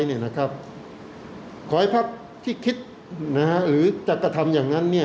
ขอให้ภาคที่คิดหรือจักรธรรมอย่างนั้น